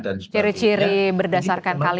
dan sebagainya ini memang